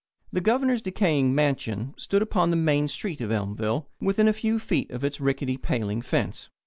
The Governor's decaying "mansion" stood upon the main street of Elmville within a few feet of its rickety paling fence.